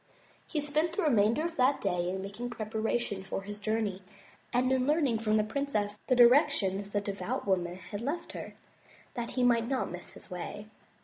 He spent the remainder of that day in making preparations for his journey and in learning from the princess the directions the devout woman had left her, that he might not miss his way.